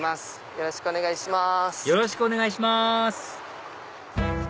よろしくお願いします